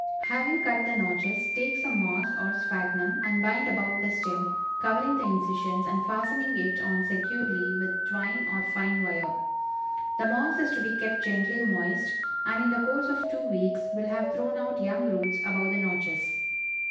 Having cut the notches, take some moss or sphagnum and bind about the stem, covering the incisions and fastening it on securely with twine or fine wire; the moss is to be kept gently moist, and in the course of two weeks will have thrown out young roots above the notches.